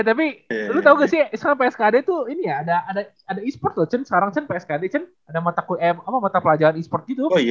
eh tapi lu tau nggak sih sekarang pskad tuh ini ya ada e sport loh cun sekarang cun pskad cun ada mata pelajaran e sport gitu